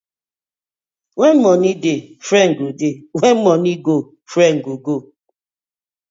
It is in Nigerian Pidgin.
When money dey, friend go dey, when money go, friend go go.